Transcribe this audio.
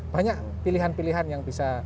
banyak pilihan pilihan yang bisa